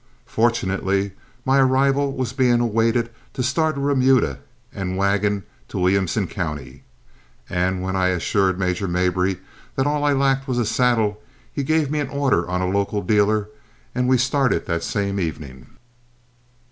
Fortunately my arrival was being awaited to start a remuda and wagon to Williamson County, and when I assured Major Mabry that all I lacked was a saddle, he gave me an order on a local dealer, and we started that same evening.